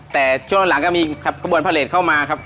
แต่ช่วงตอนหลังก็มีกระบวนพาเรศเข้ามาครับ